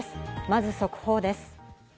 まず速報です。